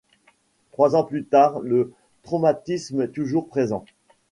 Trois ans plus tard, le traumatisme est toujours présent.